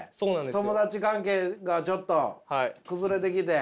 友達関係がちょっと崩れてきて。